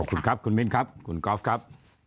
ขอบคุณครับคุณมิ้นครับคุณกอล์ฟครับ